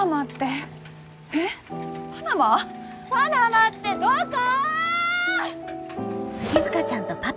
パナマってどこ！？